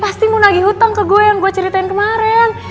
pasti mau nagi hutang ke gue yang gue ceritain kemarin